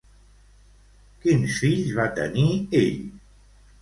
Quins fills va tenir ell?